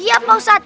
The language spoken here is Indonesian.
iya pak ustadz